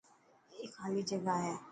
اي خالي جگا هي.